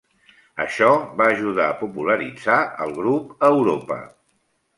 Això va ajudar a popularitzar el grup a Europa.